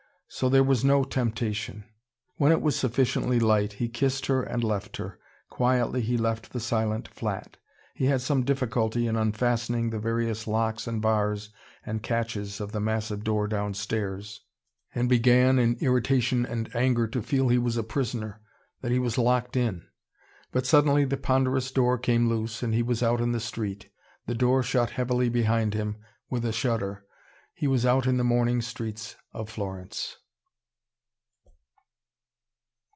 So, there was no temptation. When it was sufficiently light, he kissed her and left her. Quietly he left the silent flat. He had some difficulty in unfastening the various locks and bars and catches of the massive door downstairs, and began, in irritation and anger, to feel he was a prisoner, that he was locked in. But suddenly the ponderous door came loose, and he was out in the street. The door shut heavily behind him, with a shudder. He was out in the morning streets of Florence.